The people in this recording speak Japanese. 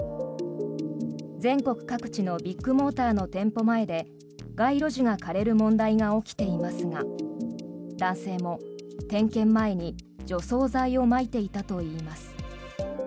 全国各地のビッグモーターの店舗前で街路樹が枯れる問題が起きていますが男性も点検前に除草剤をまいていたといいます。